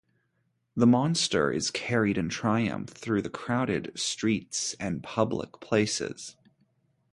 The monster is carried in triumph through the crowded streets and public places.